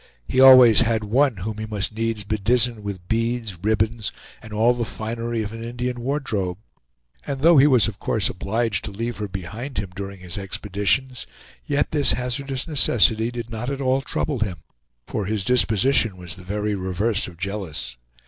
He always had one whom he must needs bedizen with beads, ribbons, and all the finery of an Indian wardrobe; and though he was of course obliged to leave her behind him during his expeditions, yet this hazardous necessity did not at all trouble him, for his disposition was the very reverse of jealous.